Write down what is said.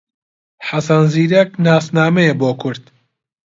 حەسەن زیرەک ناسنامەیە بۆ کورد